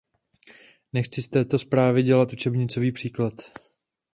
Nechci z této zprávy dělat učebnicový příklad.